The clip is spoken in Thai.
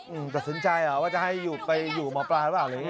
อืมตัดสินใจหรอว่าจะให้ไปอยู่หมอปลาหรือเปล่าอะไรอย่างนี้